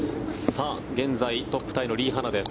現在トップタイのリ・ハナです。